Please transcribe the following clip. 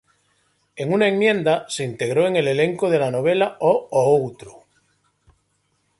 En una enmienda, se integró en el elenco de la novela O Outro.